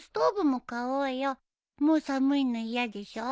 もう寒いの嫌でしょ？